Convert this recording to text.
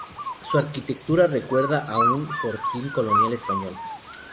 Su arquitectura recuerda a un fortín colonial español.